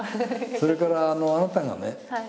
それからあなたがね